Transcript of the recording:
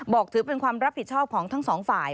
ถือเป็นความรับผิดชอบของทั้งสองฝ่าย